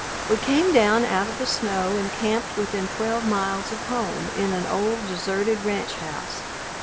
We came down out of the snow and camped within twelve miles of home in an old, deserted ranch house.